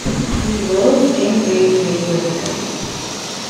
He rose and raised me with him.